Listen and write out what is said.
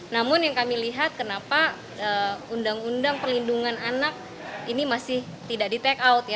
namun yang kami lihat kenapa undang undang perlindungan anak ini masih tidak di take out